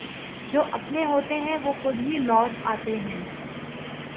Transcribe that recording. جواپنے ہوتے ہیں وہ خودہی لوٹ آتے ہیں